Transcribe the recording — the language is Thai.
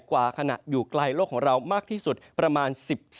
กว่าขณะอยู่ไกลโลกของเรามากที่สุดประมาณ๑๒